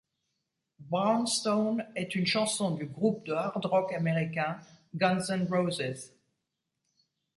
Brownstone est une chanson du groupe de hard rock américain Guns N' Roses.